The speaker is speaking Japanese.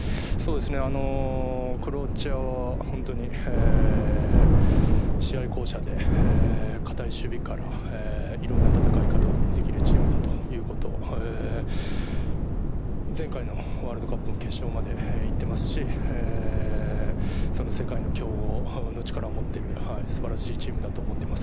クロアチアは試合巧者で、堅い守備からいろんな戦い方をできるチームだということを前回のワールドカップの決勝までいっていますし世界の強豪の力を持っている素晴らしいチームだと思ってます。